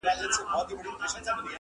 په ژړا ژړا یې وایستم له ښاره!.